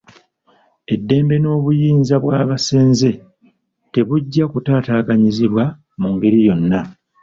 Eddembe n'obuyinza bw'abasenze tebujja kutaataaganyizibwa mu ngeri yonna.